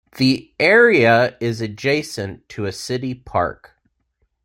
The area is adjacent to a city park.